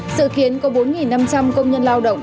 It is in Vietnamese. sự kiến có bốn năm trăm linh công nhân lao động